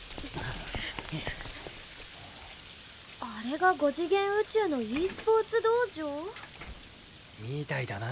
あれが５次元宇宙のｅスポーツ道場？みたいだな。